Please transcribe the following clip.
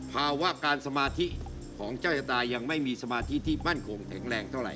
ภาวะการสมาธิของเจ้ายตายังไม่มีสมาธิที่มั่นคงแข็งแรงเท่าไห